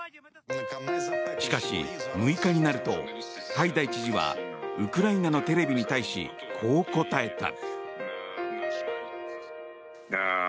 しかし、６日になるとハイダイ知事はウクライナのテレビに対しこう答えた。